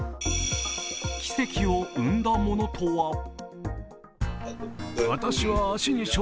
奇跡を生んだものとは？